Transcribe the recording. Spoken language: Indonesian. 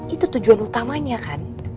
itu tujuan utamanya kan